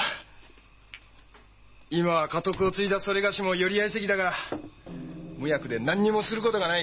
今は家督を継いだ某も寄合席だが無役で何にもすることがない。